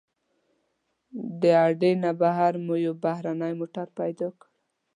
د اډې نه بهر مو یو بېړنی موټر پیدا کړ.